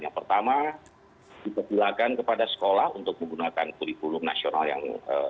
yang pertama dipergilahkan kepada sekolah untuk menggunakan kurikulum nasional yang dua ribu tiga belas